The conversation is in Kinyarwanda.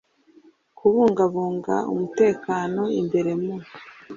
kubungabunga umutekano imbere mu